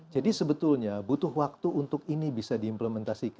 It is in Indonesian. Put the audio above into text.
jadi sebetulnya butuh waktu untuk ini bisa diimplementasikan